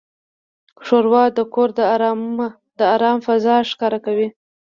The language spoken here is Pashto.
ښوروا د کور د آرام فضا ښکاره کوي.